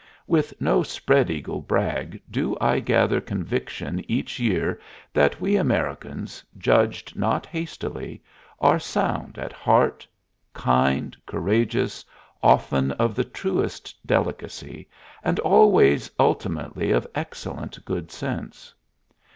With no spread eagle brag do I gather conviction each year that we Americans, judged not hastily, are sound at heart, kind, courageous, often of the truest delicacy, and always ultimately of excellent good sense.